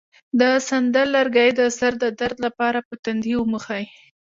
د سندل لرګی د سر د درد لپاره په تندي ومښئ